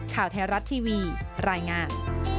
ข่าวไทยรัฐทีวีรายงาน